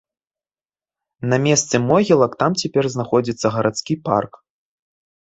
На месцы могілак там цяпер знаходзіцца гарадскі парк.